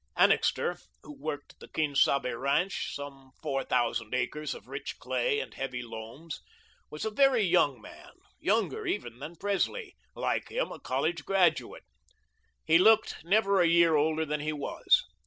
Annixter, who worked the Quien Sabe ranch some four thousand acres of rich clay and heavy loams was a very young man, younger even than Presley, like him a college graduate. He looked never a year older than he was.